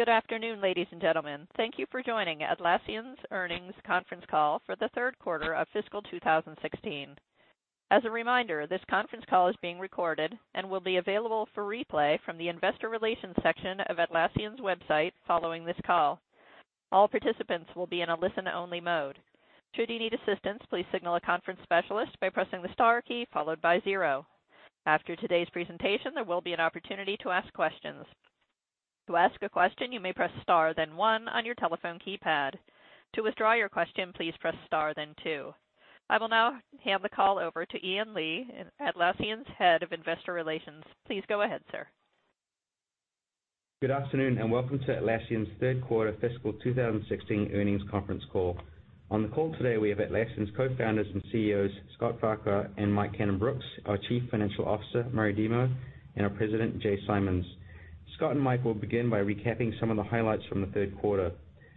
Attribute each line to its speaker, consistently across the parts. Speaker 1: Good afternoon, ladies and gentlemen. Thank you for joining Atlassian's earnings conference call for the third quarter of fiscal 2016. As a reminder, this conference call is being recorded and will be available for replay from the investor relations section of Atlassian's website following this call. All participants will be in a listen-only mode. Should you need assistance, please signal a conference specialist by pressing the star key followed by 0. After today's presentation, there will be an opportunity to ask questions. To ask a question, you may press star, then 1 on your telephone keypad. To withdraw your question, please press star then 2. I will now hand the call over to Ian Lee, Atlassian's Head of Investor Relations. Please go ahead, sir.
Speaker 2: Good afternoon, and welcome to Atlassian's third quarter fiscal 2016 earnings conference call. On the call today, we have Atlassian's Co-founders and Co-CEOs, Scott Farquhar and Mike Cannon-Brookes, our Chief Financial Officer, Murray Demo, and our President, Jay Simons. Scott and Mike will begin by recapping some of the highlights from the third quarter.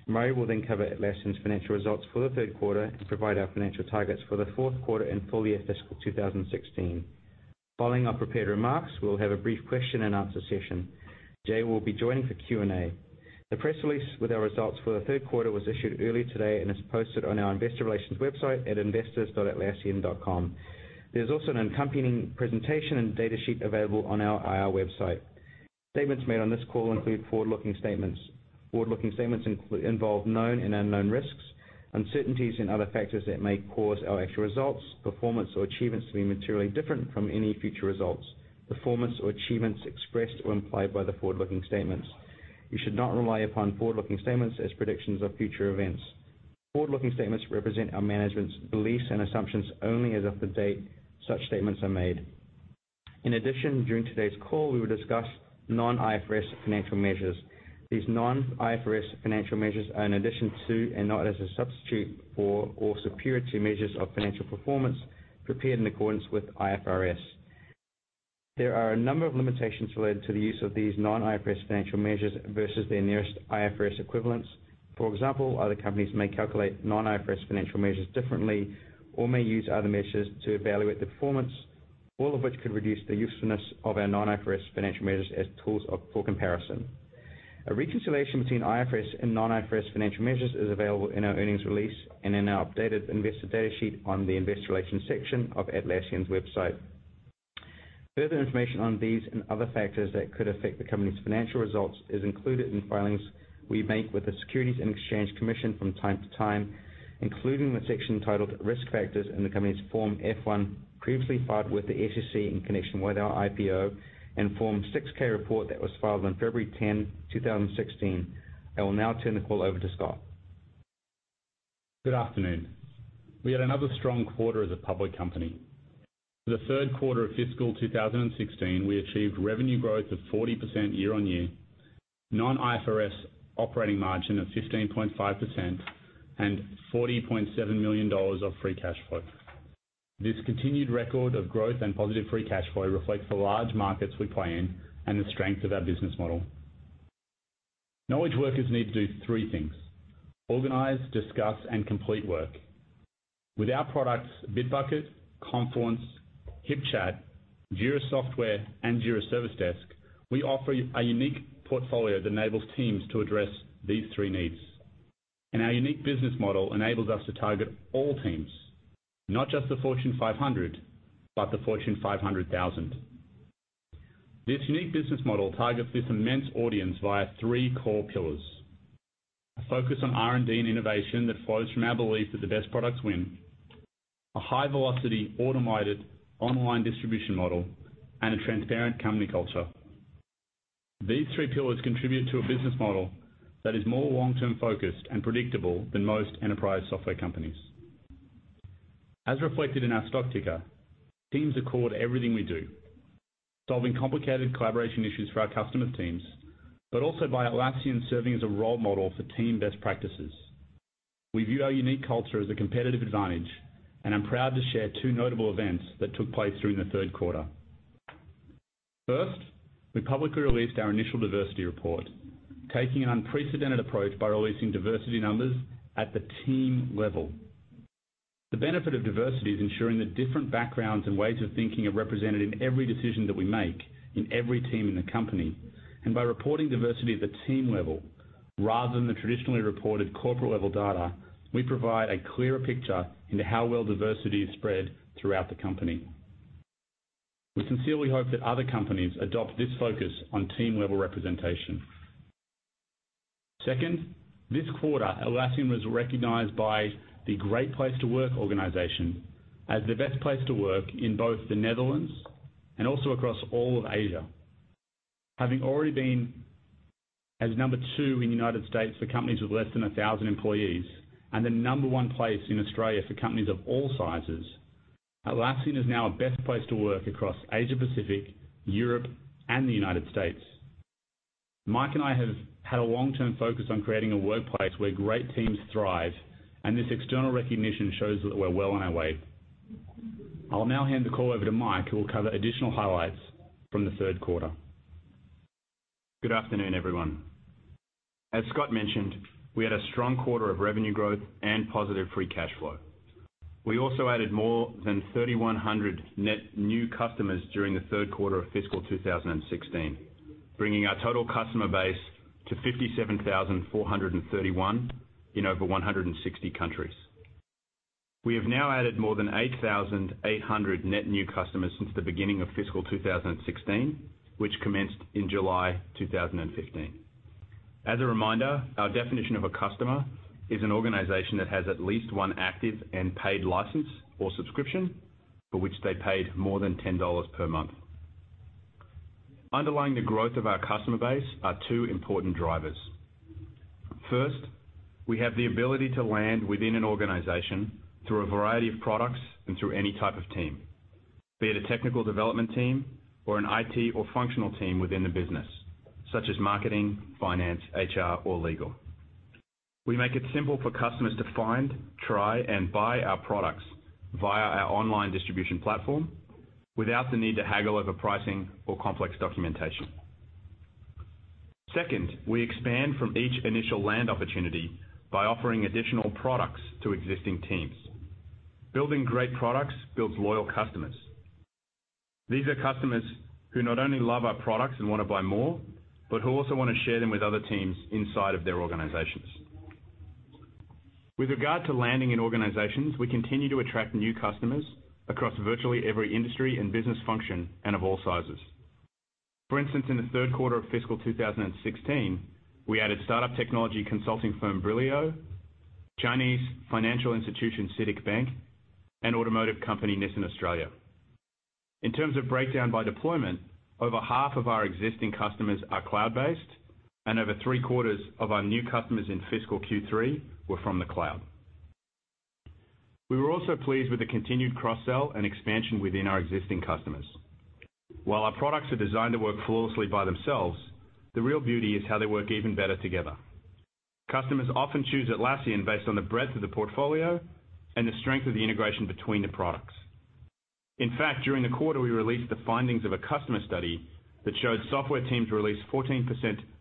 Speaker 2: Murray will cover Atlassian's financial results for the third quarter and provide our financial targets for the fourth quarter and full year fiscal 2016. Following our prepared remarks, we'll have a brief question and answer session. Jay will be joining for Q&A. The press release with our results for the third quarter was issued earlier today and is posted on our investor relations website at investors.atlassian.com. There's also an accompanying presentation and data sheet available on our IR website. Statements made on this call include forward-looking statements. Forward-looking statements involve known and unknown risks, uncertainties and other factors that may cause our actual results, performance, or achievements to be materially different from any future results, performance or achievements expressed or implied by the forward-looking statements. You should not rely upon forward-looking statements as predictions of future events. Forward-looking statements represent our management's beliefs and assumptions only as of the date such statements are made. In addition, during today's call, we will discuss non-IFRS financial measures. These non-IFRS financial measures are in addition to, and not as a substitute for, or superior to measures of financial performance prepared in accordance with IFRS. There are a number of limitations related to the use of these non-IFRS financial measures versus their nearest IFRS equivalents. For example, other companies may calculate non-IFRS financial measures differently or may use other measures to evaluate the performance, all of which could reduce the usefulness of our non-IFRS financial measures as tools for comparison. A reconciliation between IFRS and non-IFRS financial measures is available in our earnings release and in our updated investor data sheet on the investor relations section of Atlassian's website. Further information on these and other factors that could affect the company's financial results is included in filings we make with the Securities and Exchange Commission from time to time, including the section titled Risk Factors in the company's Form F-1 previously filed with the SEC in connection with our IPO, and Form 6-K report that was filed on February 10, 2016. I will now turn the call over to Scott.
Speaker 3: Good afternoon. We had another strong quarter as a public company. For the third quarter of fiscal 2016, we achieved revenue growth of 40% year-on-year, non-IFRS operating margin of 15.5%, and $40.7 million of free cash flow. This continued record of growth and positive free cash flow reflects the large markets we play in and the strength of our business model. Knowledge workers need to do three things: organize, discuss, and complete work. With our products, Bitbucket, Confluence, HipChat, Jira Software, and Jira Service Desk, we offer a unique portfolio that enables teams to address these three needs. Our unique business model enables us to target all teams, not just the Fortune 500, but the Fortune 500,000. This unique business model targets this immense audience via three core pillars. A focus on R&D and innovation that flows from our belief that the best products win, a high velocity, automated, online distribution model, and a transparent company culture. These three pillars contribute to a business model that is more long-term focused and predictable than most enterprise software companies. As reflected in our stock ticker, teams are core to everything we do, solving complicated collaboration issues for our customer teams, also by Atlassian serving as a role model for team best practices. We view our unique culture as a competitive advantage, I'm proud to share two notable events that took place during the third quarter. First, we publicly released our initial diversity report, taking an unprecedented approach by releasing diversity numbers at the team level. The benefit of diversity is ensuring that different backgrounds and ways of thinking are represented in every decision that we make, in every team in the company. By reporting diversity at the team level rather than the traditionally reported corporate level data, we provide a clearer picture into how well diversity is spread throughout the company. We sincerely hope that other companies adopt this focus on team-level representation. Second, this quarter, Atlassian was recognized by the Great Place to Work organization as the best place to work in both the Netherlands and also across all of Asia. Having already been as number 2 in the U.S. for companies with less than 1,000 employees, and the number 1 place in Australia for companies of all sizes, Atlassian is now a best place to work across Asia Pacific, Europe, and the U.S. Mike and I have had a long-term focus on creating a workplace where great teams thrive, this external recognition shows that we're well on our way. I'll now hand the call over to Mike, who will cover additional highlights from the third quarter.
Speaker 4: Good afternoon, everyone. As Scott mentioned, we had a strong quarter of revenue growth and positive free cash flow. We also added more than 3,100 net new customers during the third quarter of fiscal 2016, bringing our total customer base to 57,431 in over 160 countries. We have now added more than 8,800 net new customers since the beginning of fiscal 2016, which commenced in July 2015. As a reminder, our definition of a customer is an organization that has at least one active and paid license or subscription for which they paid more than $10 per month. Underlying the growth of our customer base are two important drivers. First, we have the ability to land within an organization through a variety of products and through any type of team, be it a technical development team or an IT or functional team within the business, such as marketing, finance, HR, or legal. We make it simple for customers to find, try, and buy our products via our online distribution platform without the need to haggle over pricing or complex documentation. Second, we expand from each initial land opportunity by offering additional products to existing teams. Building great products builds loyal customers. These are customers who not only love our products and want to buy more, but who also want to share them with other teams inside of their organizations. With regard to landing in organizations, we continue to attract new customers across virtually every industry and business function and of all sizes. For instance, in the third quarter of fiscal 2016, we added start-up technology consulting firm, Brillio, Chinese financial institution, CITIC Bank, and automotive company, Nissan Australia. In terms of breakdown by deployment, over half of our existing customers are cloud-based, and over three-quarters of our new customers in fiscal Q3 were from the cloud. We were also pleased with the continued cross-sell and expansion within our existing customers. While our products are designed to work flawlessly by themselves, the real beauty is how they work even better together. Customers often choose Atlassian based on the breadth of the portfolio and the strength of the integration between the products. In fact, during the quarter, we released the findings of a customer study that showed software teams release 14%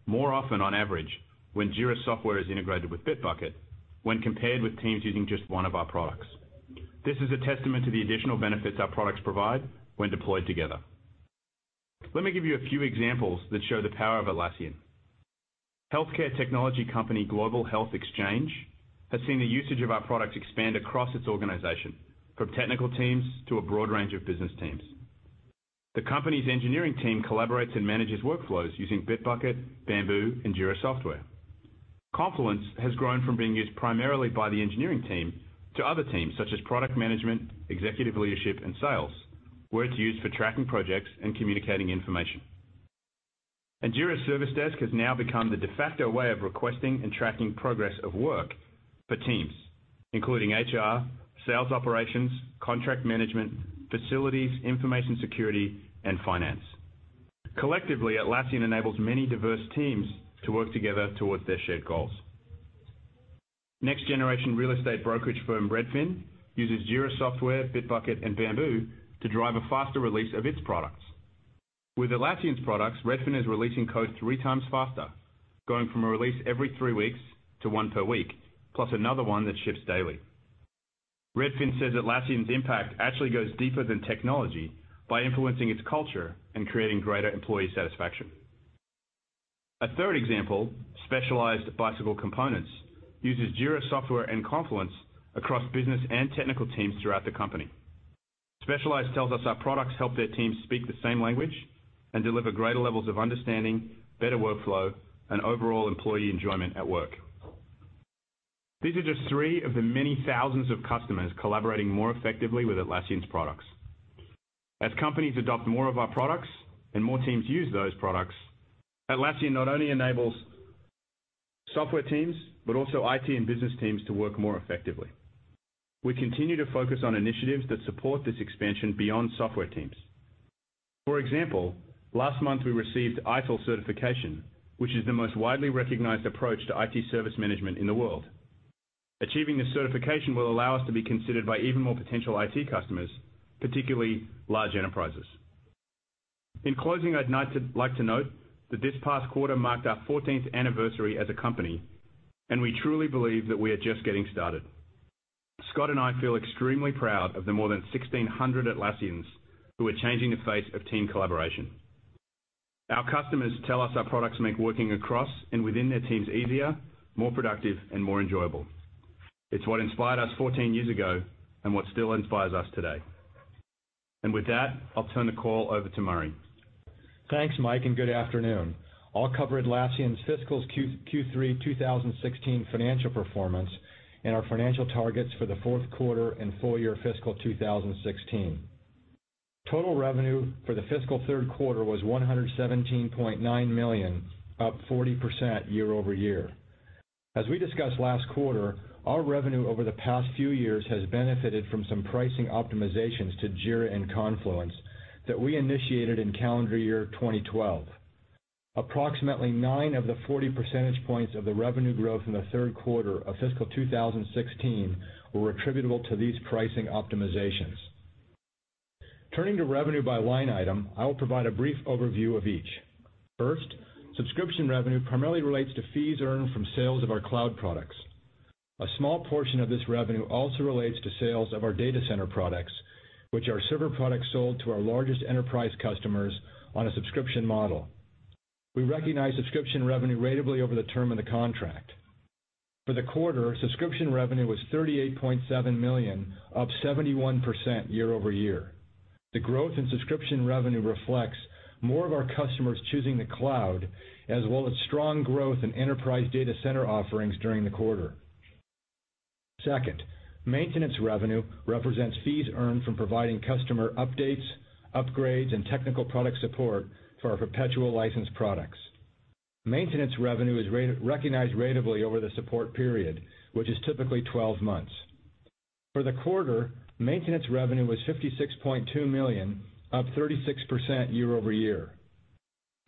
Speaker 4: more often on average when Jira Software is integrated with Bitbucket when compared with teams using just one of our products. This is a testament to the additional benefits our products provide when deployed together. Let me give you a few examples that show the power of Atlassian. Healthcare technology company, Global Healthcare Exchange, has seen the usage of our products expand across its organization from technical teams to a broad range of business teams. The company's engineering team collaborates and manages workflows using Bitbucket, Bamboo, and Jira Software. Confluence has grown from being used primarily by the engineering team to other teams such as product management, executive leadership, and sales, where it's used for tracking projects and communicating information. Jira Service Desk has now become the de facto way of requesting and tracking progress of work for teams, including HR, sales operations, contract management, facilities, information security, and finance. Collectively, Atlassian enables many diverse teams to work together towards their shared goals. Next-generation real estate brokerage firm, Redfin, uses Jira Software, Bitbucket and Bamboo to drive a faster release of its products. With Atlassian's products, Redfin is releasing code three times faster, going from a release every three weeks to one per week, plus another one that ships daily. Redfin says Atlassian's impact actually goes deeper than technology by influencing its culture and creating greater employee satisfaction. A third example, Specialized Bicycle Components, uses Jira Software and Confluence across business and technical teams throughout the company. Specialized tells us our products help their teams speak the same language and deliver greater levels of understanding, better workflow, and overall employee enjoyment at work. These are just three of the many thousands of customers collaborating more effectively with Atlassian's products. As companies adopt more of our products and more teams use those products, Atlassian not only enables software teams, but also IT and business teams to work more effectively. We continue to focus on initiatives that support this expansion beyond software teams. For example, last month, we received ITIL certification, which is the most widely recognized approach to IT service management in the world. Achieving this certification will allow us to be considered by even more potential IT customers, particularly large enterprises. In closing, I'd like to note that this past quarter marked our 14th anniversary as a company, and we truly believe that we are just getting started. Scott and I feel extremely proud of the more than 1,600 Atlassians who are changing the face of team collaboration. Our customers tell us our products make working across and within their teams easier, more productive, and more enjoyable. It's what inspired us 14 years ago and what still inspires us today. With that, I'll turn the call over to Murray.
Speaker 5: Thanks, Mike, and good afternoon. I'll cover Atlassian's fiscal Q3 2016 financial performance and our financial targets for the fourth quarter and full-year fiscal 2016. Total revenue for the fiscal third quarter was $117.9 million, up 40% year-over-year. As we discussed last quarter, our revenue over the past few years has benefited from some pricing optimizations to Jira and Confluence that we initiated in calendar year 2012. Approximately nine of the 40 percentage points of the revenue growth in the third quarter of fiscal 2016 were attributable to these pricing optimizations. Turning to revenue by line item, I will provide a brief overview of each. First, subscription revenue primarily relates to fees earned from sales of our cloud products. A small portion of this revenue also relates to sales of our data center products, which are server products sold to our largest enterprise customers on a subscription model. We recognize subscription revenue ratably over the term of the contract. For the quarter, subscription revenue was $38.7 million, up 71% year-over-year. The growth in subscription revenue reflects more of our customers choosing the cloud, as well as strong growth in enterprise data center offerings during the quarter. Second, maintenance revenue represents fees earned from providing customer updates, upgrades, and technical product support for our perpetual licensed products. Maintenance revenue is recognized ratably over the support period, which is typically 12 months. For the quarter, maintenance revenue was $56.2 million, up 36% year-over-year.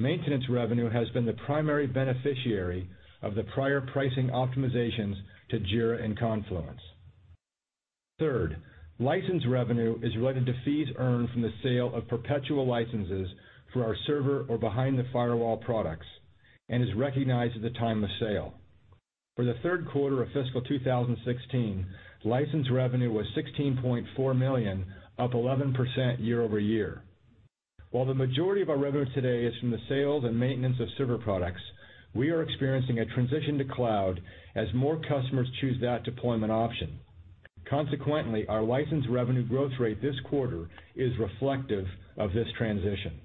Speaker 5: Maintenance revenue has been the primary beneficiary of the prior pricing optimizations to Jira and Confluence. Third, license revenue is related to fees earned from the sale of perpetual licenses for our server or behind-the-firewall products and is recognized at the time of sale. For the third quarter of fiscal 2016, license revenue was $16.4 million, up 11% year-over-year. While the majority of our revenue today is from the sales and maintenance of server products, we are experiencing a transition to cloud as more customers choose that deployment option. Consequently, our license revenue growth rate this quarter is reflective of this transition.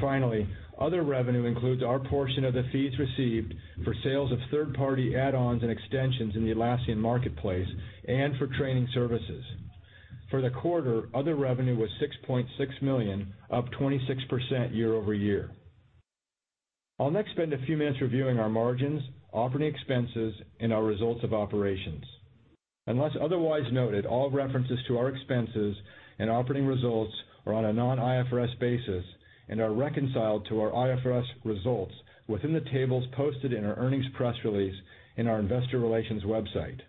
Speaker 5: Finally, other revenue includes our portion of the fees received for sales of third-party add-ons and extensions in the Atlassian Marketplace and for training services. For the quarter, other revenue was $6.6 million, up 26% year-over-year. I'll next spend a few minutes reviewing our margins, operating expenses, and our results of operations. Unless otherwise noted, all references to our expenses and operating results are on a non-IFRS basis and are reconciled to our IFRS results within the tables posted in our earnings press release in our investor relations website.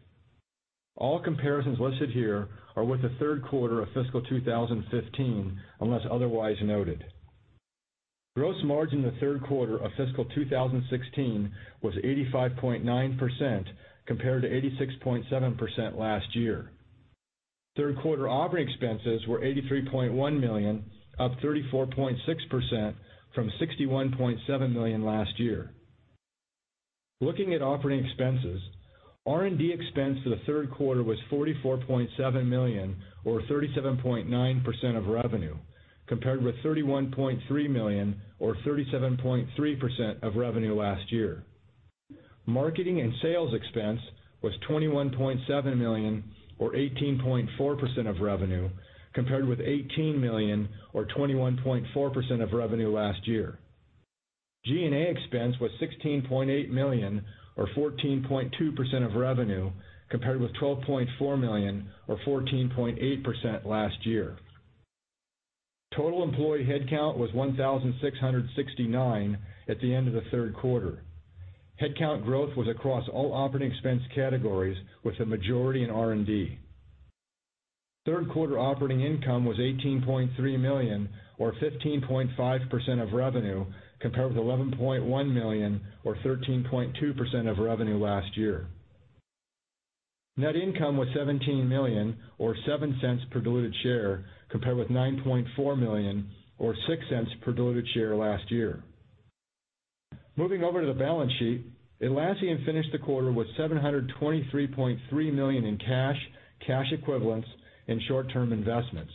Speaker 5: All comparisons listed here are with the third quarter of fiscal 2015, unless otherwise noted. Gross margin in the third quarter of fiscal 2016 was 85.9%, compared to 86.7% last year. Third quarter operating expenses were $83.1 million, up 34.6% from $61.7 million last year. Looking at operating expenses, R&D expense for the third quarter was $44.7 million or 37.9% of revenue, compared with $31.3 million or 37.3% of revenue last year. Marketing and sales expense was $21.7 million or 18.4% of revenue, compared with $18 million or 21.4% of revenue last year. G&A expense was $16.8 million or 14.2% of revenue, compared with $12.4 million or 14.8% last year. Total employee headcount was 1,669 at the end of the third quarter. Headcount growth was across all operating expense categories, with the majority in R&D. Third quarter operating income was $18.3 million or 15.5% of revenue, compared with $11.1 million or 13.2% of revenue last year. Net income was $17 million or $0.07 per diluted share, compared with $9.4 million or $0.06 per diluted share last year. Moving over to the balance sheet, Atlassian finished the quarter with $723.3 million in cash equivalents, and short-term investments.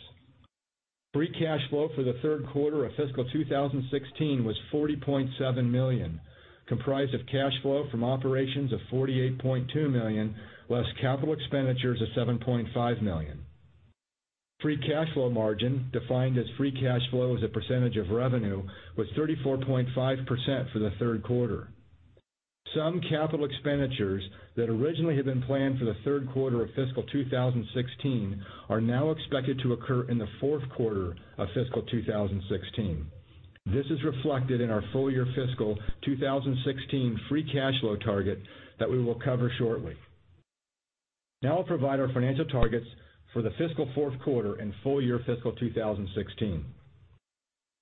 Speaker 5: Free cash flow for the third quarter of fiscal 2016 was $40.7 million, comprised of cash flow from operations of $48.2 million, less capital expenditures of $7.5 million. Free cash flow margin, defined as free cash flow as a percentage of revenue, was 34.5% for the third quarter. Some capital expenditures that originally had been planned for the third quarter of fiscal 2016 are now expected to occur in the fourth quarter of fiscal 2016. This is reflected in our full-year fiscal 2016 free cash flow target that we will cover shortly. Now I'll provide our financial targets for the fiscal fourth quarter and full year fiscal 2016.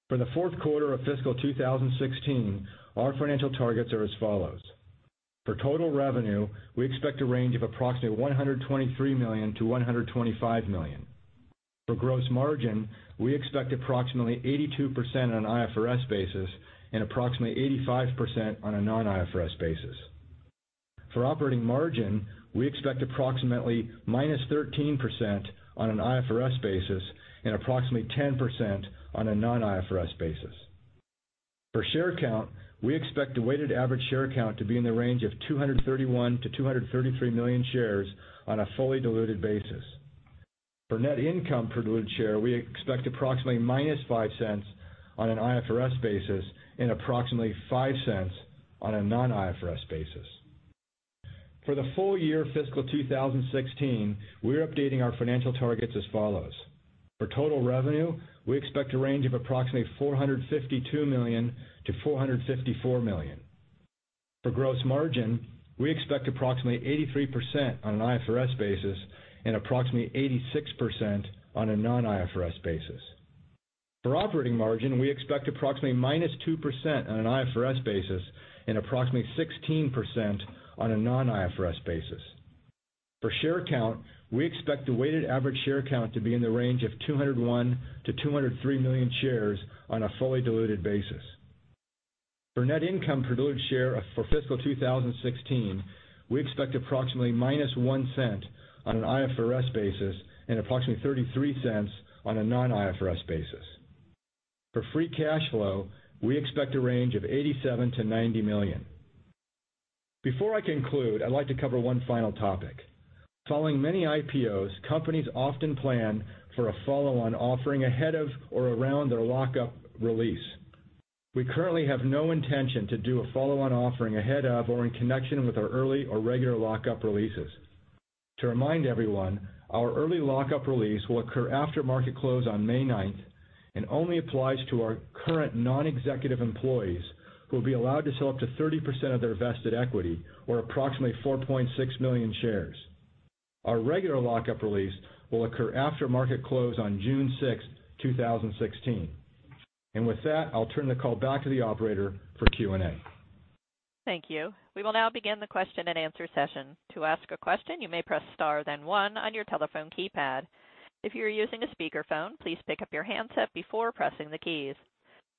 Speaker 5: For the fourth quarter of fiscal 2016, our financial targets are as follows. For total revenue, we expect a range of approximately $123 million-$125 million. For gross margin, we expect approximately 82% on an IFRS basis and approximately 85% on a non-IFRS basis. For operating margin, we expect approximately -13% on an IFRS basis and approximately 10% on a non-IFRS basis. For share count, we expect the weighted average share count to be in the range of 231 million-233 million shares on a fully diluted basis. For net income per diluted share, we expect approximately -$0.05 on an IFRS basis and approximately $0.05 on a non-IFRS basis. For the full year fiscal 2016, we are updating our financial targets as follows. For total revenue, we expect a range of approximately $452 million-$454 million. For gross margin, we expect approximately 83% on an IFRS basis and approximately 86% on a non-IFRS basis. For operating margin, we expect approximately -2% on an IFRS basis and approximately 16% on a non-IFRS basis. For share count, we expect the weighted average share count to be in the range of 201 million-203 million shares on a fully diluted basis. For net income per diluted share for fiscal 2016, we expect approximately -$0.01 on an IFRS basis and approximately $0.33 on a non-IFRS basis. For free cash flow, we expect a range of $87 million-$90 million. Before I conclude, I'd like to cover one final topic. Following many IPOs, companies often plan for a follow-on offering ahead of or around their lock-up release. We currently have no intention to do a follow-on offering ahead of or in connection with our early or regular lock-up releases. To remind everyone, our early lock-up release will occur after market close on May 9th and only applies to our current non-executive employees who will be allowed to sell up to 30% of their vested equity, or approximately 4.6 million shares. Our regular lock-up release will occur after market close on June 6, 2016. With that, I'll turn the call back to the operator for Q&A.
Speaker 1: Thank you. We will now begin the question and answer session. To ask a question, you may press star then one on your telephone keypad. If you're using a speakerphone, please pick up your handset before pressing the keys.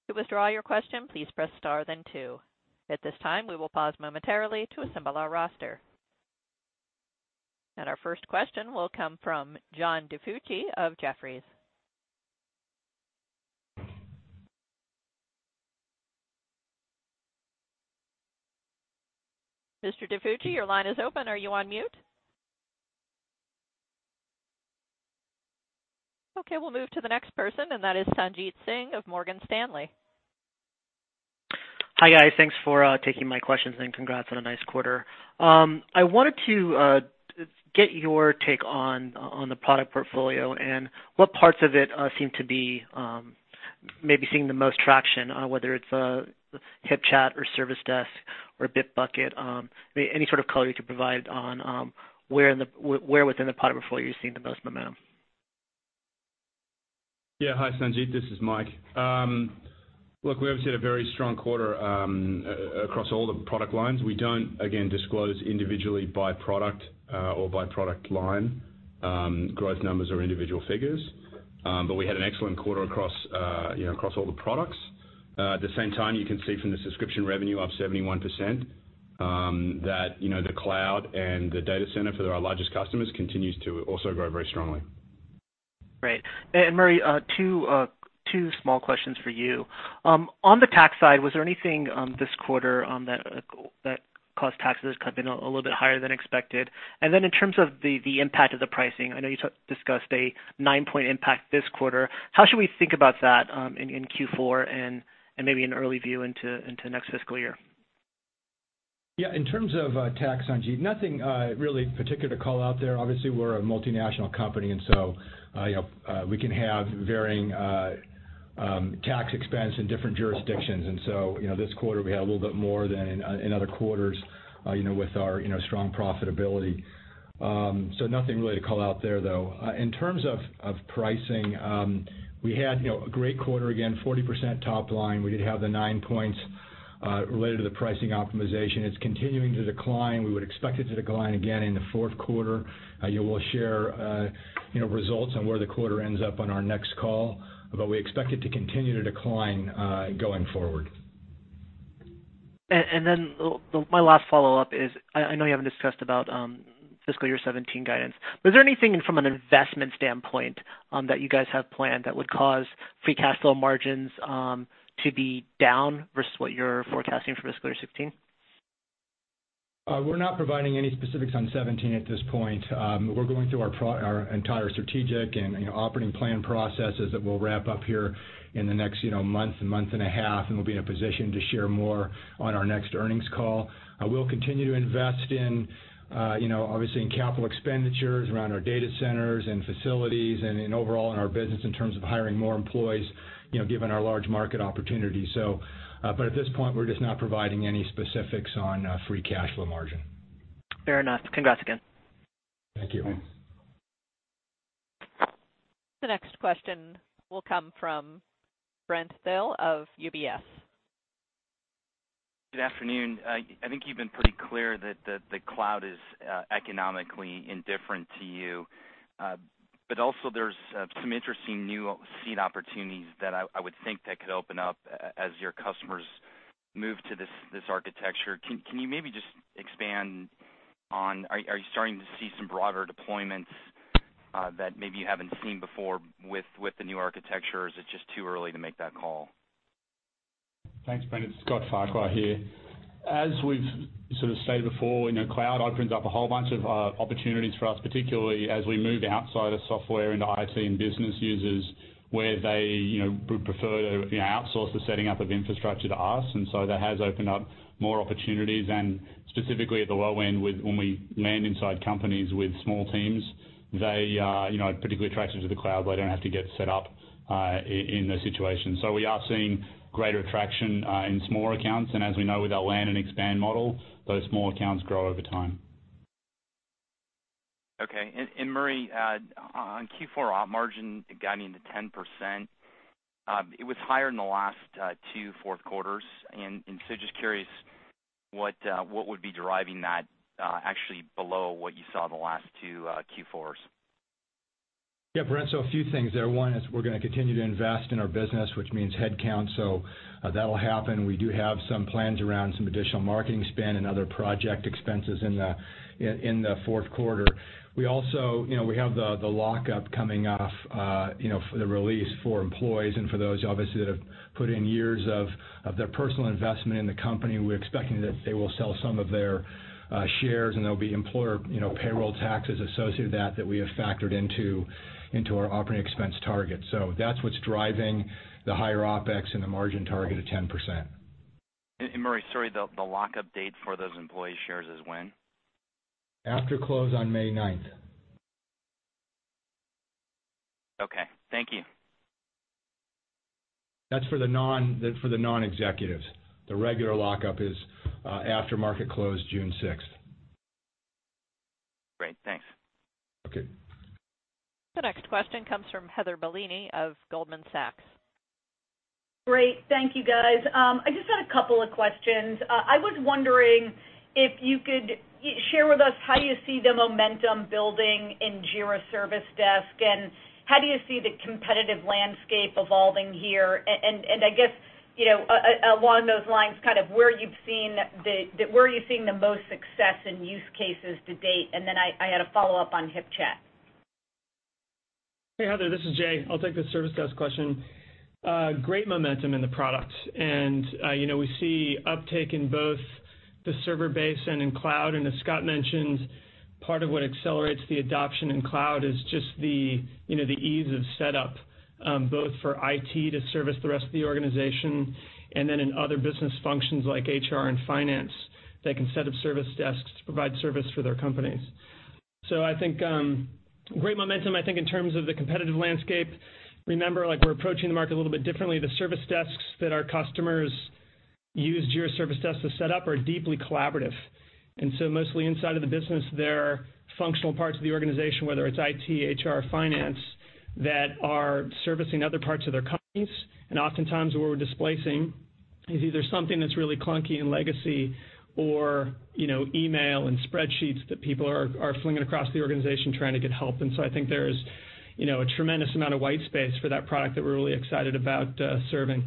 Speaker 1: To withdraw your question, please press star then two. At this time, we will pause momentarily to assemble our roster. Our first question will come from John DiFucci of Jefferies. Mr. DiFucci, your line is open. Are you on mute? Okay, we'll move to the next person, and that is Sanjit Singh of Morgan Stanley.
Speaker 6: Hi, guys. Thanks for taking my questions, congrats on a nice quarter. I wanted to get your take on the product portfolio and what parts of it seem to be maybe seeing the most traction, whether it's HipChat or Service Desk or Bitbucket. Any sort of color you could provide on where within the product portfolio you're seeing the most momentum.
Speaker 4: Yeah. Hi, Sanjit. This is Mike. We obviously had a very strong quarter across all the product lines. We don't, again, disclose individually by product or by product line growth numbers or individual figures, but we had an excellent quarter across all the products. At the same time, you can see from the subscription revenue up 71% that the cloud and the data center for our largest customers continues to also grow very strongly.
Speaker 6: Great. Murray, two small questions for you. On the tax side, was there anything this quarter that caused taxes to come in a little bit higher than expected? In terms of the impact of the pricing, I know you discussed a 9-point impact this quarter. How should we think about that in Q4 and maybe an early view into next fiscal year?
Speaker 5: Yeah. In terms of tax, Sanjit, nothing really particular to call out there. Obviously, we're a multinational company, we can have varying tax expense in different jurisdictions. This quarter, we had a little bit more than in other quarters with our strong profitability. Nothing really to call out there, though. In terms of pricing, we had a great quarter, again, 40% top line. We did have the 9 points related to the pricing optimization. It's continuing to decline. We would expect it to decline again in the fourth quarter. We'll share results on where the quarter ends up on our next call, but we expect it to continue to decline going forward.
Speaker 6: My last follow-up is, I know you haven't discussed about fiscal year 2017 guidance, but is there anything from an investment standpoint that you guys have planned that would cause free cash flow margins to be down versus what you're forecasting for fiscal year 2016?
Speaker 5: We're not providing any specifics on 2017 at this point. We're going through our entire strategic and operating plan processes that we'll wrap up here in the next month to month and a half, and we'll be in a position to share more on our next earnings call. We'll continue to invest in, obviously, in capital expenditures around our data centers and facilities and in overall in our business in terms of hiring more employees, given our large market opportunity. At this point, we're just not providing any specifics on free cash flow margin.
Speaker 6: Fair enough. Congrats again.
Speaker 5: Thank you.
Speaker 3: Thanks.
Speaker 1: The next question will come from Brent Thill of UBS.
Speaker 7: Good afternoon. I think you've been pretty clear that the cloud is economically indifferent to you. Also there's some interesting new seat opportunities that I would think that could open up as your customers move to this architecture. Can you maybe just expand on, are you starting to see some broader deployments that maybe you haven't seen before with the new architecture, or is it just too early to make that call?
Speaker 3: Thanks, Brent. It's Scott Farquhar here. As we've sort of stated before, cloud opens up a whole bunch of opportunities for us, particularly as we move outside of software into IT and business users where they would prefer to outsource the setting up of infrastructure to us. That has opened up more opportunities. Specifically at the low end, when we land inside companies with small teams, they are particularly attracted to the cloud. They don't have to get set up in those situations. We are seeing greater traction in smaller accounts. As we know with our land and expand model, those small accounts grow over time.
Speaker 7: Okay. Murray, on Q4 op margin guiding to 10%, it was higher in the last two fourth quarters. Just curious what would be deriving that actually below what you saw the last two Q4s.
Speaker 5: Yeah, Brent, a few things there. One is we're going to continue to invest in our business, which means headcount. That'll happen. We do have some plans around some additional marketing spend and other project expenses in the fourth quarter. We have the lockup coming off, for the release for employees and for those obviously that have put in years of their personal investment in the company. We're expecting that they will sell some of their shares, and there'll be employer payroll taxes associated with that we have factored into our operating expense target. That's what's driving the higher OpEx and the margin target of 10%.
Speaker 7: Murray, sorry, the lockup date for those employee shares is when?
Speaker 5: After close on May ninth.
Speaker 7: Okay. Thank you.
Speaker 5: That's for the non-executives. The regular lockup is after market close June sixth.
Speaker 7: Great. Thanks.
Speaker 5: Okay.
Speaker 1: The next question comes from Heather Bellini of Goldman Sachs.
Speaker 8: Great. Thank you, guys. I just had a couple of questions. I was wondering if you could share with us how you see the momentum building in Jira Service Desk, how do you see the competitive landscape evolving here. I guess, along those lines, where are you seeing the most success in use cases to date? Then I had a follow-up on HipChat.
Speaker 9: Hey, Heather. This is Jay. I'll take the Service Desk question. Great momentum in the product. We see uptake in both the server base and in cloud. As Scott mentioned, part of what accelerates the adoption in cloud is just the ease of setup, both for IT to service the rest of the organization, and then in other business functions like HR and finance that can set up service desks to provide service for their companies. I think, great momentum. I think in terms of the competitive landscape, remember, we're approaching the market a little bit differently. The service desks that our customers use Jira Service Desk to set up are deeply collaborative. Mostly inside of the business, they're functional parts of the organization, whether it's IT, HR, finance, that are servicing other parts of their companies. Oftentimes what we're displacing is either something that's really clunky and legacy or email and spreadsheets that people are flinging across the organization trying to get help. I think there's a tremendous amount of white space for that product that we're really excited about serving.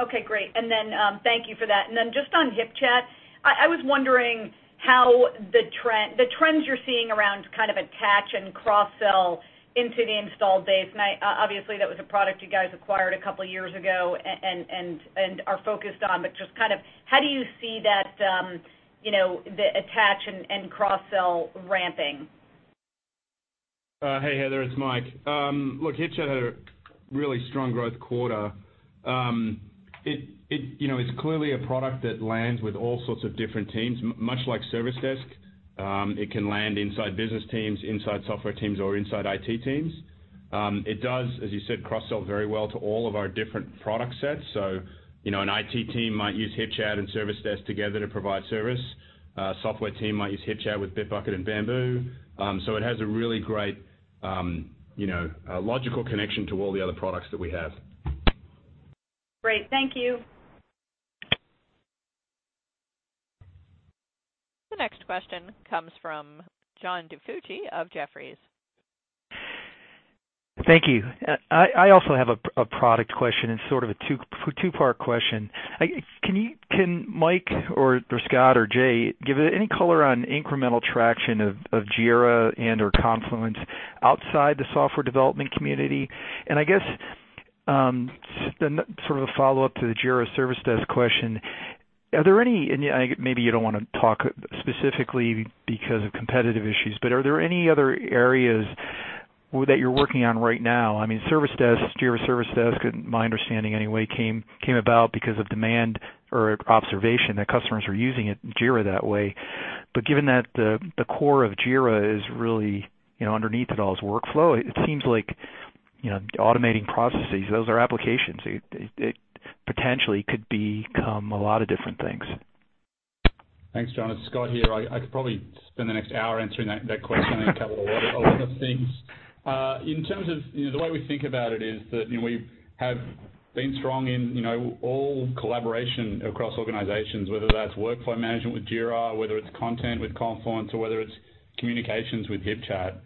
Speaker 8: Okay, great. Thank you for that. Just on HipChat, I was wondering how the trends you're seeing around attach and cross-sell into the installed base. Obviously, that was a product you guys acquired a couple of years ago and are focused on, but just how do you see that attach and cross-sell ramping?
Speaker 4: Hey, Heather, it's Mike. HipChat had a really strong growth quarter. It's clearly a product that lands with all sorts of different teams, much like Jira Service Desk. It can land inside business teams, inside software teams, or inside IT teams. It does, as you said, cross-sell very well to all of our different product sets. An IT team might use HipChat and Jira Service Desk together to provide service. A software team might use HipChat with Bitbucket and Bamboo. It has a really great logical connection to all the other products that we have.
Speaker 8: Great. Thank you.
Speaker 1: The next question comes from John DiFucci of Jefferies.
Speaker 10: Thank you. I also have a product question, and sort of a two-part question. Can Mike or Scott or Jay give any color on incremental traction of Jira and/or Confluence outside the software development community? I guess, then sort of a follow-up to the Jira Service Desk question. Are there any, and maybe you don't want to talk specifically because of competitive issues, but are there any other areas that you're working on right now? Service Desk, Jira Service Desk, my understanding anyway, came about because of demand or observation that customers are using Jira that way. Given that the core of Jira is really, underneath it all, is workflow, it seems like automating processes, those are applications. It potentially could become a lot of different things.
Speaker 3: Thanks, John. It's Scott here. I could probably spend the next hour answering that question. It covered a lot of things. In terms of the way we think about it is that we have been strong in all collaboration across organizations, whether that's workflow management with Jira, whether it's content with Confluence, or whether it's communications with HipChat.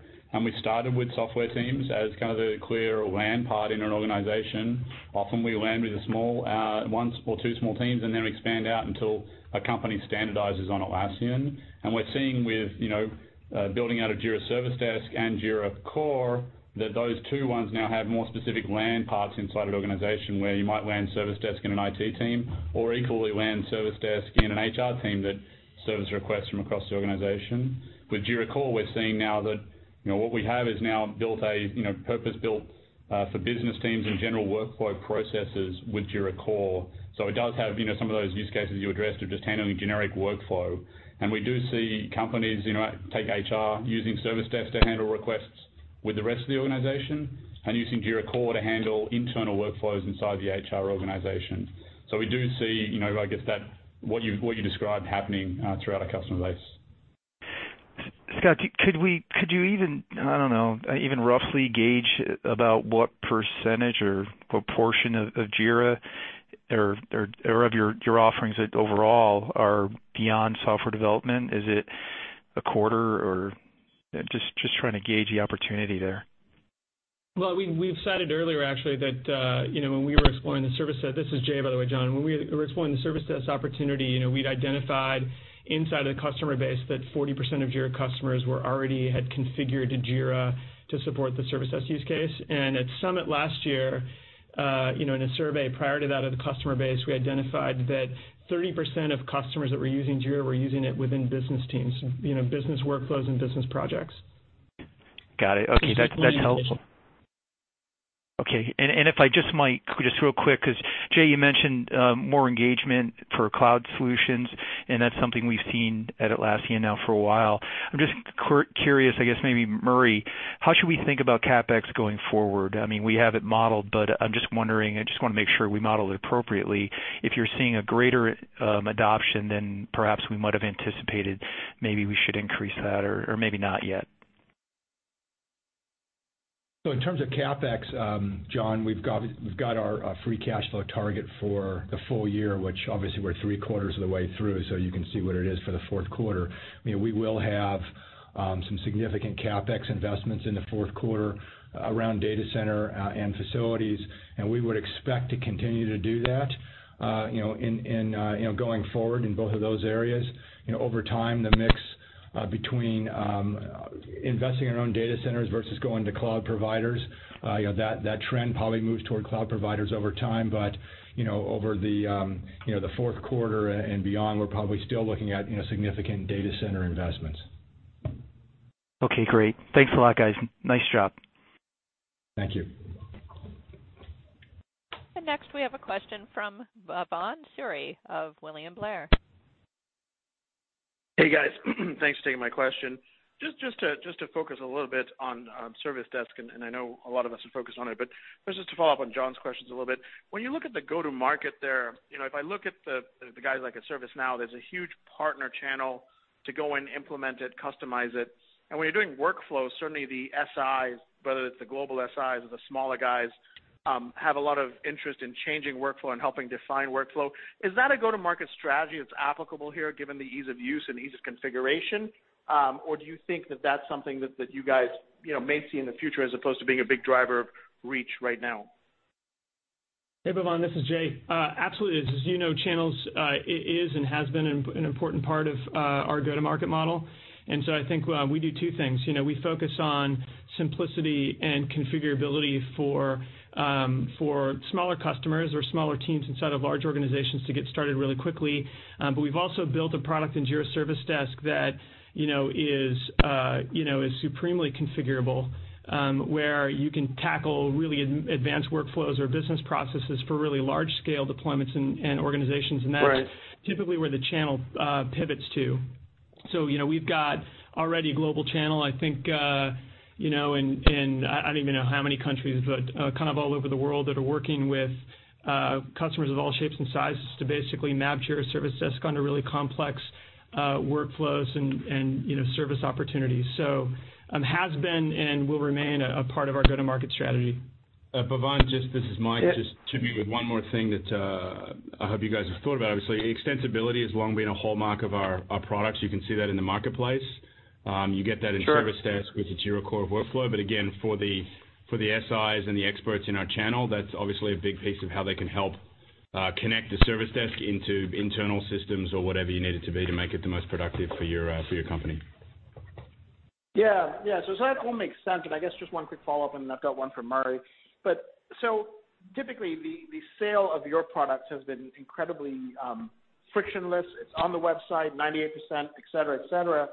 Speaker 3: We started with software teams as kind of the clear land part in an organization. Often we land with one or two small teams and then expand out until a company standardizes on Atlassian. We're seeing with building out of Jira Service Desk and Jira Core, that those two ones now have more specific land parts inside an organization where you might land Service Desk in an IT team, or equally land Service Desk in an HR team that services requests from across the organization. With Jira Core, we're seeing now that what we have is now purpose-built for business teams and general workflow processes with Jira Core. It does have some of those use cases you addressed of just handling generic workflow. We do see companies, take HR, using Service Desk to handle requests with the rest of the organization, and using Jira Core to handle internal workflows inside the HR organization. We do see what you described happening throughout our customer base.
Speaker 10: Scott, could you even roughly gauge about what % or proportion of Jira or of your offerings overall are beyond software development? Is it a quarter, or just trying to gauge the opportunity there.
Speaker 9: Well, we've said it earlier, actually, that when we were exploring the Service Desk. This is Jay, by the way, John. When we were exploring the Service Desk opportunity, we'd identified inside of the customer base that 40% of Jira customers already had configured Jira to support the Service Desk use case. At Summit last year, in a survey prior to that of the customer base, we identified that 30% of customers that were using Jira were using it within business teams, business workflows and business projects.
Speaker 10: Got it. Okay. That's helpful. Okay. If I just might, just real quick, because Jay, you mentioned more engagement for cloud solutions, and that's something we've seen at Atlassian now for a while. I'm just curious, I guess maybe Murray, how should we think about CapEx going forward? We have it modeled, but I'm just wondering, I just want to make sure we model it appropriately. If you're seeing a greater adoption, then perhaps we might have anticipated maybe we should increase that, or maybe not yet.
Speaker 5: In terms of CapEx, John, we've got our free cash flow target for the full year, which obviously we're 3 quarters of the way through, so you can see what it is for the 4th quarter. We will have some significant CapEx investments in the 4th quarter around data center and facilities, and we would expect to continue to do that going forward in both of those areas. Over time, the mix between investing in our own data centers versus going to cloud providers, that trend probably moves toward cloud providers over time. Over the 4th quarter and beyond, we're probably still looking at significant data center investments.
Speaker 10: Great. Thanks a lot, guys. Nice job.
Speaker 5: Thank you.
Speaker 1: Next we have a question from Bhavan Suri of William Blair.
Speaker 11: Hey, guys. Thanks for taking my question. Just to focus a little bit on Jira Service Desk, I know a lot of us are focused on it, but this is to follow up on John's questions a little bit. When you look at the go-to-market there, if I look at the guys like at ServiceNow, Inc., there's a huge partner channel to go and implement it, customize it. When you're doing workflows, certainly the SIs, whether it's the global SIs or the smaller guys, have a lot of interest in changing workflow and helping define workflow. Is that a go-to-market strategy that's applicable here given the ease of use and ease of configuration? Do you think that that's something that you guys may see in the future as opposed to being a big driver of reach right now?
Speaker 9: Hey, Bhavan, this is Jay. Absolutely. As you know, channels is and has been an important part of our go-to-market model. I think we do two things. We focus on simplicity and configurability for smaller customers or smaller teams inside of large organizations to get started really quickly. We've also built a product in Jira Service Desk that is supremely configurable, where you can tackle really advanced workflows or business processes for really large-scale deployments and organizations.
Speaker 11: Right.
Speaker 9: That's typically where the channel pivots to. We've got already a global channel, I think, in I don't even know how many countries, but kind of all over the world that are working with customers of all shapes and sizes to basically map Jira Service Desk under really complex workflows and service opportunities. It has been and will remain a part of our go-to-market strategy.
Speaker 4: Bhavan, this is Mike.
Speaker 11: Yeah.
Speaker 4: Just to leave with one more thing that I hope you guys have thought about. Obviously, extensibility has long been a hallmark of our products. You can see that in the Atlassian Marketplace.
Speaker 11: Sure.
Speaker 4: You get that in Jira Service Desk with the Jira Core workflow. Again, for the SIs and the experts in our channel, that's obviously a big piece of how they can help connect the Jira Service Desk into internal systems or whatever you need it to be to make it the most productive for your company.
Speaker 11: Yeah. That all makes sense. I guess just one quick follow-up, and then I've got one for Murray. Typically, the sale of your products has been incredibly frictionless. It's on the website, 98%, et cetera.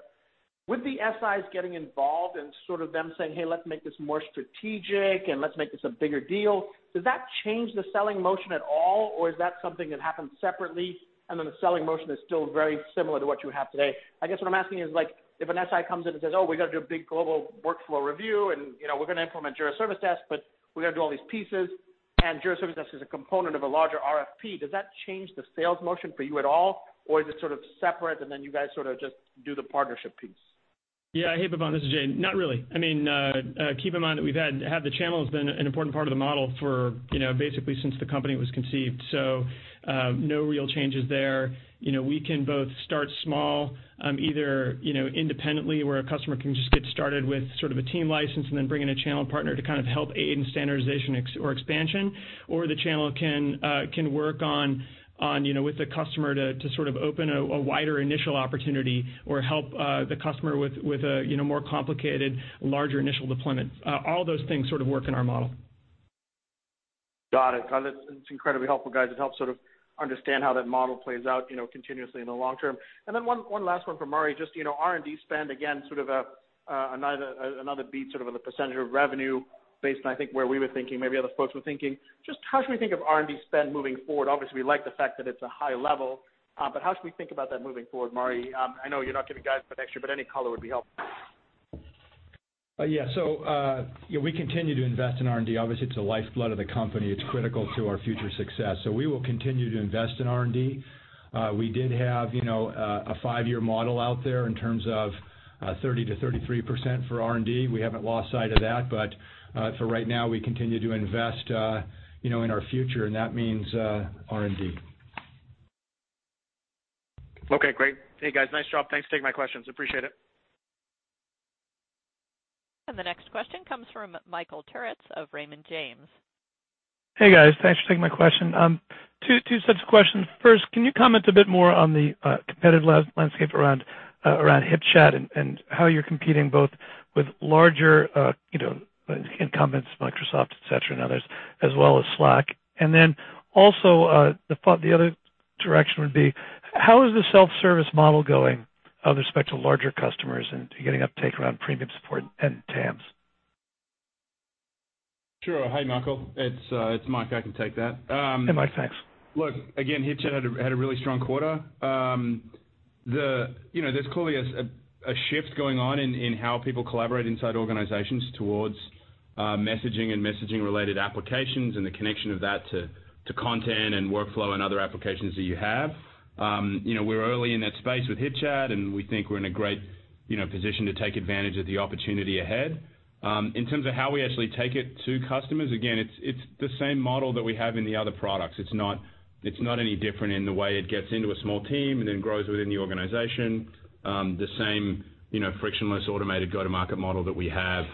Speaker 11: With the SIs getting involved and sort of them saying, "Hey, let's make this more strategic, and let's make this a bigger deal," does that change the selling motion at all, or is that something that happens separately, and then the selling motion is still very similar to what you have today? I guess what I'm asking is if an SI comes in and says, "Oh, we've got to do a big global workflow review, and we're going to implement Jira Service Desk, but we've got to do all these pieces, and Jira Service Desk is a component of a larger RFP," does that change the sales motion for you at all? Is it sort of separate, and then you guys sort of just do the partnership piece?
Speaker 9: Hey, Bhavan, this is Jay. Not really. Keep in mind that we've had the channels been an important part of the model for basically since the company was conceived. No real changes there. We can both start small, either independently where a customer can just get started with sort of a team license and then bring in a channel partner to kind of help aid in standardization or expansion, or the channel can work on with the customer to sort of open a wider initial opportunity or help the customer with a more complicated, larger initial deployment. All those things sort of work in our model.
Speaker 11: Got it. It's incredibly helpful, guys. It helps sort of understand how that model plays out continuously in the long term. One last one for Murray, just R&D spend, again, sort of another beat, sort of on the % of revenue based on I think where we were thinking, maybe other folks were thinking. How should we think of R&D spend moving forward? Obviously, we like the fact that it's a high level. How should we think about that moving forward, Murray? I know you're not giving guidance, but extra, but any color would be helpful.
Speaker 5: We continue to invest in R&D. Obviously, it's the lifeblood of the company. It's critical to our future success. We will continue to invest in R&D. We did have a 5-year model out there in terms of 30%-33% for R&D. We haven't lost sight of that. For right now, we continue to invest in our future, and that means R&D.
Speaker 11: Great. Hey, guys, nice job. Thanks for taking my questions. Appreciate it.
Speaker 1: The next question comes from Michael Turits of Raymond James.
Speaker 12: Hey, guys. Thanks for taking my question. Two sets of questions. First, can you comment a bit more on the competitive landscape around HipChat and how you're competing both with larger incumbents, Microsoft, et cetera, and others, as well as Slack? Then also, the other direction would be, how is the self-service model going with respect to larger customers and getting uptake around premium support and TAMs?
Speaker 4: Sure. Hi, Michael. It's Mike. I can take that.
Speaker 12: Hey, Mike. Thanks.
Speaker 4: Look, again, HipChat had a really strong quarter. There's clearly a shift going on in how people collaborate inside organizations towards messaging and messaging-related applications and the connection of that to content and workflow and other applications that you have. We're early in that space with HipChat, and we think we're in a great position to take advantage of the opportunity ahead. In terms of how we actually take it to customers, again, it's the same model that we have in the other products. It's not any different in the way it gets into a small team and then grows within the organization. The same frictionless, automated go-to-market model that we have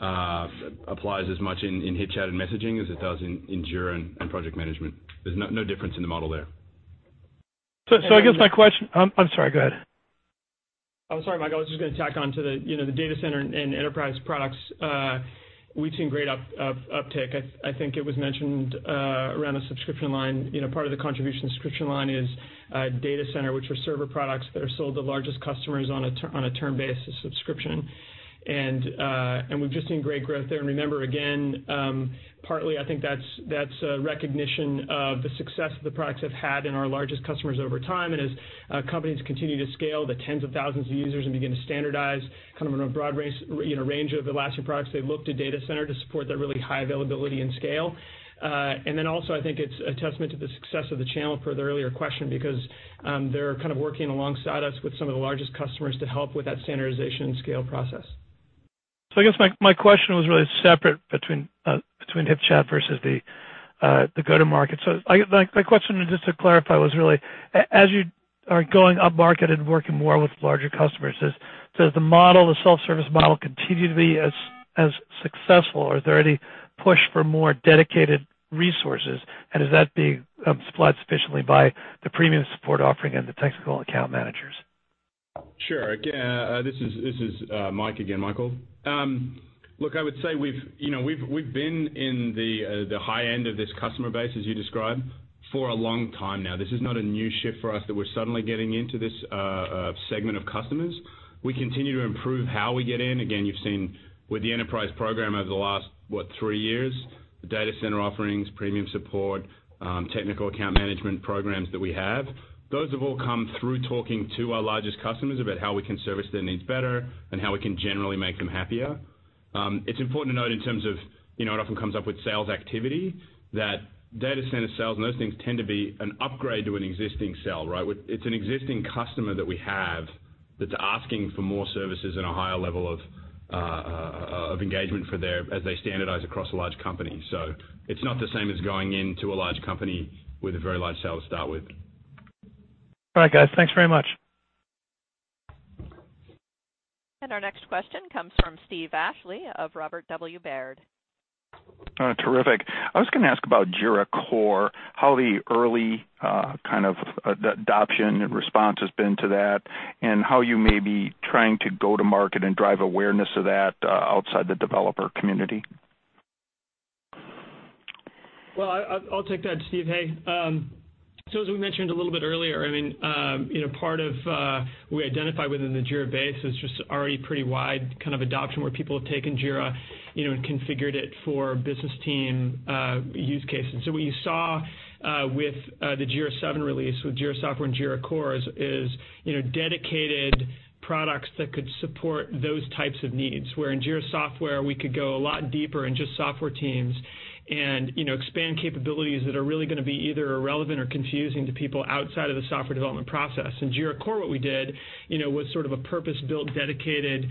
Speaker 4: applies as much in HipChat and messaging as it does in Jira and project management. There's no difference in the model there.
Speaker 12: I guess my question. I'm sorry, go ahead.
Speaker 9: I'm sorry, Mike, I was just going to tack on to the Data Center and enterprise products. We've seen great uptick. I think it was mentioned around the subscription line. Part of the contribution subscription line is Data Center, which are server products that are sold to largest customers on a term basis subscription. We've just seen great growth there. Remember, again, partly, I think that's a recognition of the success that the products have had in our largest customers over time. As companies continue to scale the tens of thousands of users and begin to standardize on a broad range of Atlassian products, they look to Data Center to support that really high availability and scale. Also, I think it's a testament to the success of the channel, per the earlier question, because they're working alongside us with some of the largest customers to help with that standardization and scale process.
Speaker 12: I guess my question was really separate between HipChat versus the go-to-market. My question, and just to clarify, was really, as you are going upmarket and working more with larger customers, does the self-service model continue to be as successful, or is there any push for more dedicated resources, and is that being supplied sufficiently by the Premium Support Offering and the Technical Account Managers?
Speaker 4: Sure. This is Mike again, Michael. Look, I would say we've been in the high end of this customer base, as you describe, for a long time now. This is not a new shift for us that we're suddenly getting into this segment of customers. We continue to improve how we get in. Again, you've seen with the Enterprise Program over the last, what, three years, the Data Center Offerings, Premium Support, Technical Account Management Programs that we have. Those have all come through talking to our largest customers about how we can service their needs better and how we can generally make them happier. It's important to note in terms of, it often comes up with sales activity, that Data Center sales and those things tend to be an upgrade to an existing sale. It's an existing customer that we have that's asking for more services and a higher level of engagement as they standardize across a large company. It's not the same as going into a large company with a very large sale to start with.
Speaker 12: All right, guys. Thanks very much.
Speaker 1: Our next question comes from Steve Ashley of Robert W. Baird.
Speaker 13: Terrific. I was going to ask about Jira Core, how the early kind of adoption and response has been to that, and how you may be trying to go to market and drive awareness of that outside the developer community.
Speaker 9: Well, I'll take that, Steve. Hey. As we mentioned a little bit earlier, part of what we identify within the Jira base was just already pretty wide adoption, where people have taken Jira and configured it for business team use cases. What you saw with the Jira 7 release, with Jira Software and Jira Core, is dedicated products that could support those types of needs. Where in Jira Software, we could go a lot deeper in just software teams and expand capabilities that are really going to be either irrelevant or confusing to people outside of the software development process. In Jira Core, what we did was sort of a purpose-built, dedicated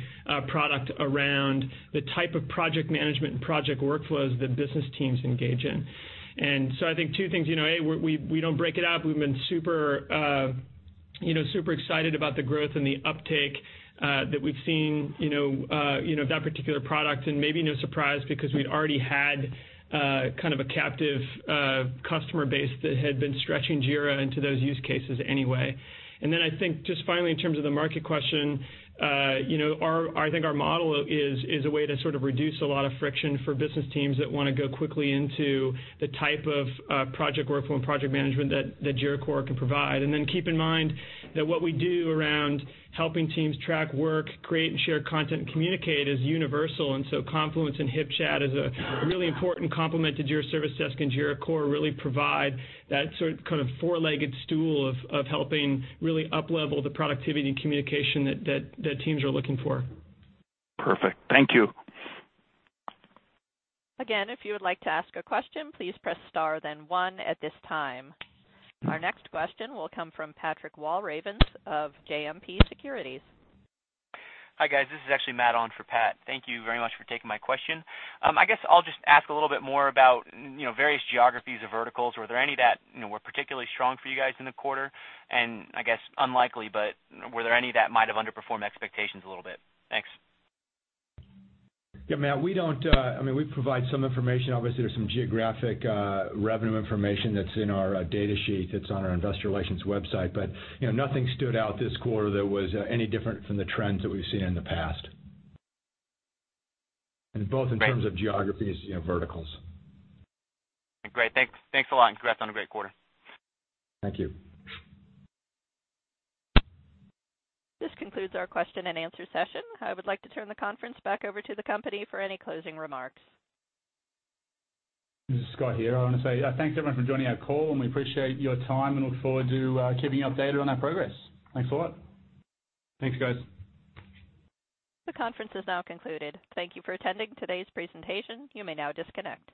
Speaker 9: product around the type of project management and project workflows that business teams engage in. I think two things. A, we don't break it out. We've been super excited about the growth and the uptake that we've seen of that particular product, and maybe no surprise, because we'd already had a captive customer base that had been stretching Jira into those use cases anyway. I think just finally, in terms of the market question, I think our model is a way to sort of reduce a lot of friction for business teams that want to go quickly into the type of project workflow and project management that Jira Core can provide. Keep in mind that what we do around helping teams track work, create and share content, and communicate is universal. Confluence and HipChat is a really important complement to Jira Service Desk and Jira Core really provide that sort of four-legged stool of helping really up-level the productivity and communication that teams are looking for.
Speaker 13: Perfect. Thank you.
Speaker 1: If you would like to ask a question, please press star then 1 at this time. Our next question will come from Patrick Walravens of JMP Securities.
Speaker 14: Hi, guys. This is actually Matt on for Pat. Thank you very much for taking my question. I guess I'll just ask a little bit more about various geographies or verticals. Were there any that were particularly strong for you guys in the quarter? I guess unlikely, but were there any that might have underperformed expectations a little bit? Thanks.
Speaker 5: Matt, we provide some information. There's some geographic revenue information that's in our data sheet that's on our investor relations website. Nothing stood out this quarter that was any different from the trends that we've seen in the past, both in terms of geographies, verticals.
Speaker 14: Great. Thanks a lot, congrats on a great quarter.
Speaker 5: Thank you.
Speaker 1: This concludes our question and answer session. I would like to turn the conference back over to the company for any closing remarks.
Speaker 3: This is Scott here. I want to say thanks, everyone, for joining our call, we appreciate your time and look forward to keeping you updated on our progress. Thanks a lot.
Speaker 5: Thanks, guys.
Speaker 1: The conference is now concluded. Thank you for attending today's presentation. You may now disconnect.